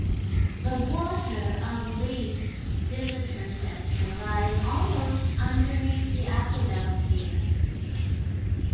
The Water of Leith's visitor centre lies almost underneath the aqueduct here.